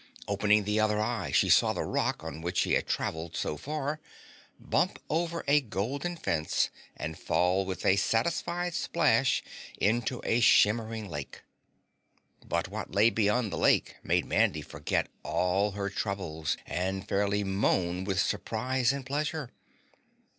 Opening the other eye she saw the rock, on which she had travelled so far, bump over a golden fence and fall with a satisfied splash into a shimmering lake. But what lay beyond the lake made Mandy forget all her troubles and fairly moan with surprise and pleasure.